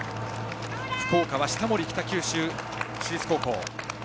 福岡は下森、北九州高校。